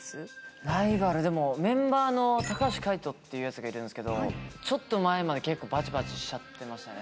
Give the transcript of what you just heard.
ライバルでもメンバーの橋海人っていうヤツがいるんですけどちょっと前まで結構バチバチしちゃってましたね。